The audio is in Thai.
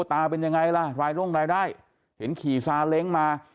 ตาเป็นยังไงล่ะรายลงรายได้เห็นขี่ซาเล้งมา